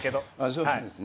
そうなんですね。